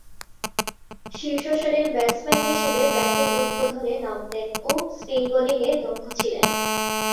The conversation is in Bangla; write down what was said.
শীর্ষসারির ব্যাটসম্যান হিসেবে ব্যাটিং উদ্বোধনে নামতেন ও স্পিন বোলিংয়ে দক্ষ ছিলেন।